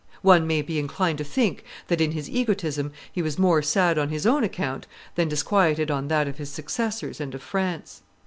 One may be inclined to think that, in his egotism, he was more sad on his own account than disquieted on that of his successors and of France.